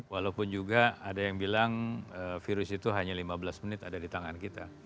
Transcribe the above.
walaupun juga ada yang bilang virus itu hanya lima belas menit ada di tangan kita